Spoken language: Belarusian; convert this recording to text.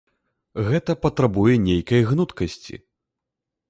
Гэта патрабуе нейкай гнуткасці.